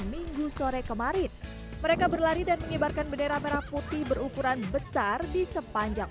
minggu sore kemarin mereka berlari dan mengibarkan bendera merah putih berukuran besar di sepanjang